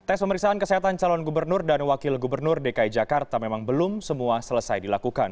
tes pemeriksaan kesehatan calon gubernur dan wakil gubernur dki jakarta memang belum semua selesai dilakukan